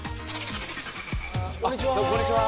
こんにちは！